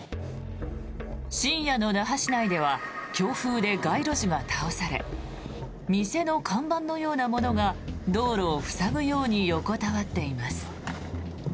深夜の那覇市内では強風で街路樹が倒され店の看板のようなものが道路を塞ぐように横たわっています。